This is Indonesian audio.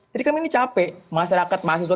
jadi kami ini capek masyarakat mahasiswa